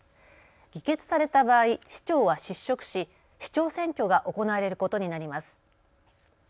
議決された場合、市長は失職し市長選挙が行われることになります。